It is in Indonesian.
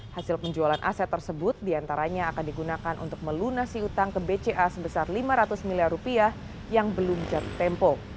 hasil penjualan aset tersebut diantaranya akan digunakan untuk melunasi utang ke bca sebesar lima ratus miliar rupiah yang belum jatuh tempo